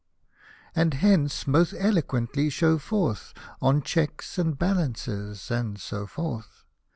And hence, most eloquently show forth On checks and balances^ and so forth.